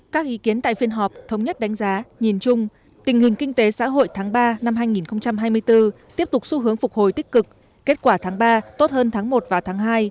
các ý kiến tại phiên họp thống nhất đánh giá nhìn chung tình hình kinh tế xã hội tháng ba năm hai nghìn hai mươi bốn tiếp tục xu hướng phục hồi tích cực kết quả tháng ba tốt hơn tháng một và tháng hai